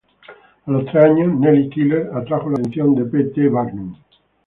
A los tres años Nellie Keeler atrajo la atención de P. T. Barnum.